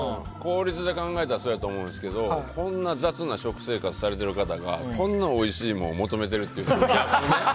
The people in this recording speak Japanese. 効率で考えたらそうやと思うんですけどこんな雑な食生活されてる方がこんなおいしいものを求めてると。